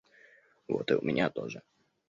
Вот и у меня тоже